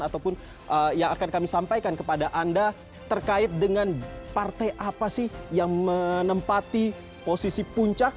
ataupun yang akan kami sampaikan kepada anda terkait dengan partai apa sih yang menempati posisi puncak